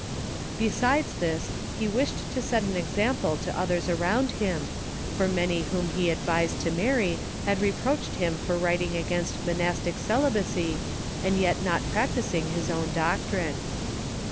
Besides this, he wished to set an example to others around him, for many whom he advised to marry had reproached him for writing against monastic celibacy and yet not practising his own doctrine.